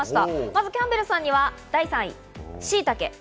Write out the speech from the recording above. まずキャンベルさんには第３位、しいたけ。